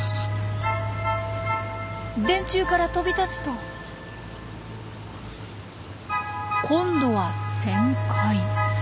電柱から飛び立つと今度は旋回。